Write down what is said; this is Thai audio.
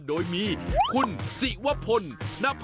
โดยมีคุณสิวพลนภาพศิษย์